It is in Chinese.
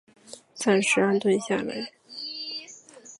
暂时安顿下来